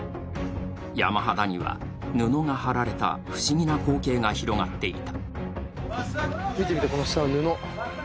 山肌には布が貼られた不思議な光景が広がっていた。